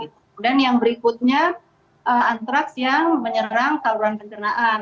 kemudian yang berikutnya antrax yang menyerang taluran pencernaan